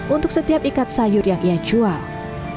untuk setiap ikat sayur yang dia beli